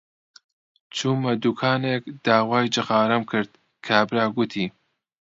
چوومە دووکانێک داوای جغارەم کرد، کابرا گوتی: